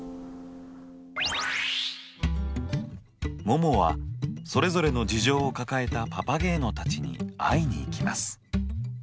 ももはそれぞれの事情を抱えたパパゲーノたちに会いに行きます。